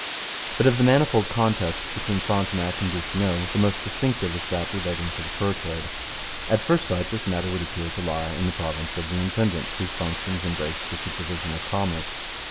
But of the manifold contests between Frontenac and Duchesneau the most distinctive is that relating to the fur trade. At first sight this matter would appear to lie in the province of the intendant, whose functions embraced the supervision of commerce.